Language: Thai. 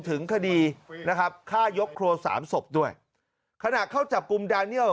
ถึงคดีนะครับฆ่ายกครัวสามศพด้วยขณะเข้าจับกลุ่มดาเนียล